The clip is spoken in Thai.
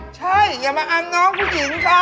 ใช่อย่ามาอำน้องผู้หญิงซะ